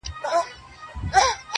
و موږ ته يې د زلفو ښاماران مبارک~